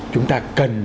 chúng ta cần